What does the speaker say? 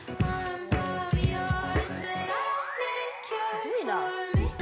すごいな。